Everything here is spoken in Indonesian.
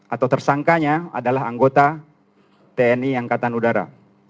atau tersangkanya adalah anggota tni angkatan udara